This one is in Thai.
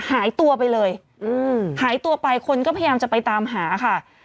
หายตัวไปเลยหายตัวไปคนก็พยายามจะไปตามหาค่ะ